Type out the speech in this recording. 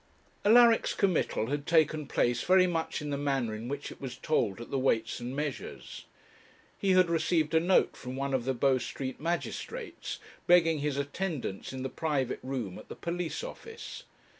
Alaric's committal had taken place very much in the manner in which it was told at the Weights and Measures. He had received a note from one of the Bow Street magistrates, begging his attendance in the private room at the police office.